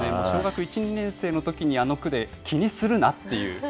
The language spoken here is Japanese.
小学１、２年生のときにあの句で気にするなっていう。